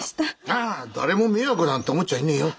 ああ誰も迷惑なんて思っちゃいねえよ。